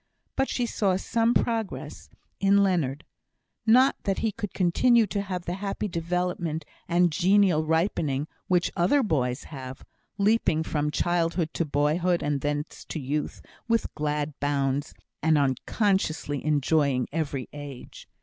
But she saw some progress in Leonard. Not that he could continue to have the happy development, and genial ripening, which other boys have; leaping from childhood to boyhood, and thence to youth, with glad bounds, and unconsciously enjoying every age.